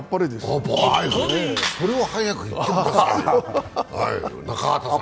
それを早く言ってください。